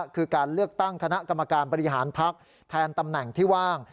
คือการเลือกตั้งคณะกรรมการบริหารพักแทนตำแหน่งที่ว่าง